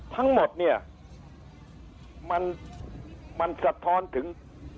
ทั้งหมดเนี่ยมันสะท้อนถึง